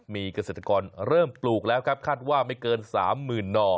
มีเกษตรกรเริ่มปลูกแล้วครับคาดว่าไม่เกิน๓๐๐๐หน่อ